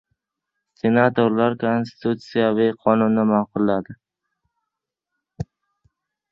Senatorlar konstitutsiyaviy qonunni ma’qulladi